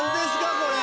これ。